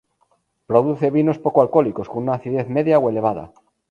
Produce vinos poco alcohólicos con una acidez media o elevada.